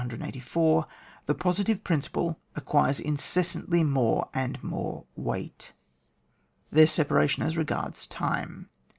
184) the positive principle acquires incessantly more and more weight. TTieir separation as regards Time.